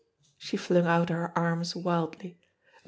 She flung out her arms wildly.